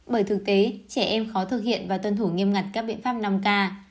bởi thực tế trẻ em khó thực hiện và tuân thủ nghiêm ngặt các biện pháp năm k